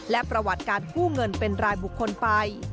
และประวัติการกู้เงินเป็นรายบุคคลไป